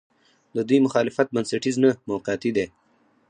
د دوی مخالفت بنسټیز نه، موقعتي دی.